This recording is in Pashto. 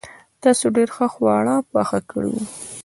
تاسو ډېر ښه خواړه پخ کړي وو.